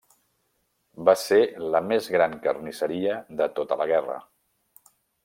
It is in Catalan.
Va ser la més gran carnisseria de tota la guerra.